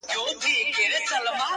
خو د نوکانو په سرونو کي به ځان ووينم